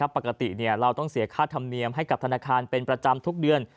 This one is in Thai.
ปกติเราต้องเสียค่าธรรมเนียมให้กับธนาคารเป็นประจำทุกเดือน